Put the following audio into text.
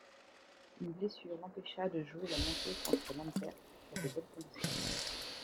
Une blessure l'empêcha de jouer la montée contre l'Antwerp dans de bonne conditions.